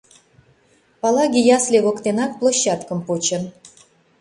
Палаги ясле воктенак площадкым почын.